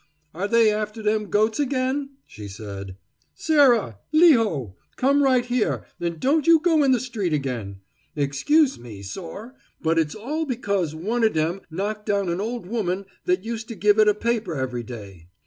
"Are they after dem goats again?" she said. "Sarah! Leho! come right here, an' don't you go in the street again. Excuse me, sor! but it's all because one of dem knocked down an old woman that used to give it a paper every day.